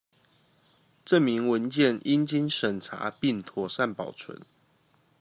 證明文件應經審查並妥善保存